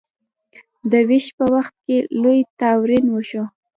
د ویش په وخت کې لوی ناورین وشو.